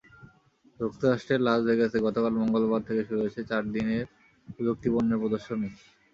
যুক্তরাষ্ট্রের লাস ভেগাসে গতকাল মঙ্গলবার থেকে শুরু হয়েছে চার দিনের প্রযুক্তিপণ্যের প্রদর্শনী।